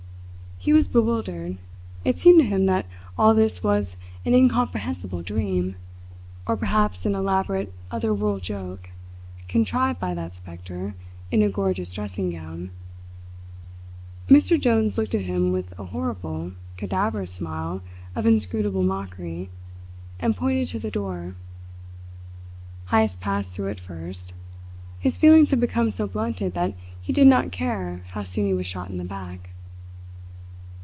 He was bewildered. It seemed to him that all this was an incomprehensible dream, or perhaps an elaborate other world joke, contrived by that spectre in a gorgeous dressing gown. Mr Jones looked at him with a horrible, cadaverous smile of inscrutable mockery, and pointed to the door. Heyst passed through it first. His feelings had become so blunted that he did not care how soon he was shot in the back.